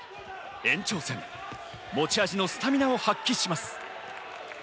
延長戦、持ち味のスタミナを発揮します。